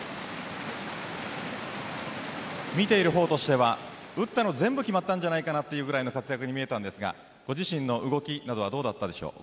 見ている方としては打ったの全部決まったんじゃないかというぐらいの活躍に見えたんですがご自身の動きだったりはどうでしょうか？